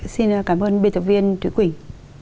xin cảm ơn biên tập viên thúy quỳnh